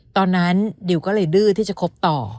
ตอนนั้นดิวก็เลยดื้อที่จะคบต่อ